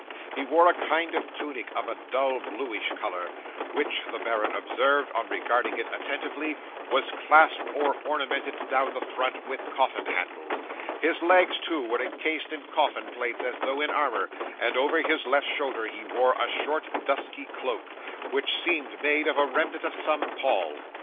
He wore a kind of tunic of a dull bluish colour, which, the baron observed, on regarding it attentively, was clasped or ornamented down the front with coffin handles. His legs, too, were encased in coffin plates as though in armour; and over his left shoulder he wore a short dusky cloak, which seemed made of a remnant of some pall.